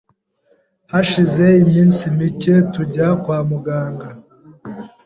Hashize iminsi mike tujya kwa muganga